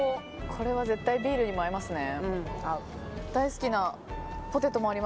これは絶対ビールにも合いますね。